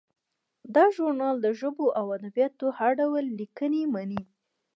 دا ژورنال د ژبو او ادبیاتو هر ډول لیکنې مني.